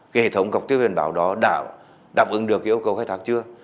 cái hệ thống cọc tiêu biển bảo đó đạp ứng được cái yêu cầu khách thạc chưa